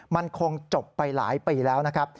มันคงจบไปหลายปีแล้วนะครับ